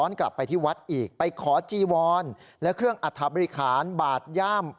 กลับไปที่วัดอีกไปขอจีวรและเครื่องอัฐบริคารบาดย่าม